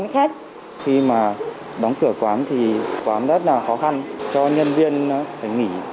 khi mà đóng cửa quán thì quán rất là khó khăn cho nhân viên phải nghỉ